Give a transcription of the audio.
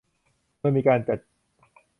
โดยมีการจัด